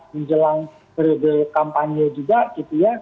menjelang periode kampanye juga gitu ya